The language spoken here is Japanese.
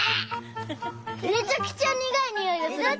めちゃくちゃにがいにおいがする！